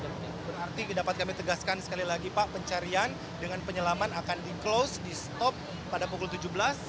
berarti dapat kami tegaskan sekali lagi pak pencarian dengan penyelaman akan di close di stop pada pukul tujuh belas